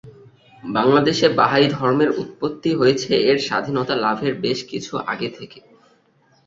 বাংলাদেশে বাহাই ধর্মের উৎপত্তি হয়েছে এর স্বাধীনতা লাভের বেশ কিছু আগে থেকে।